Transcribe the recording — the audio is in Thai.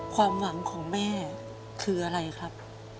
ความหวังของแม่คืออะไรครับ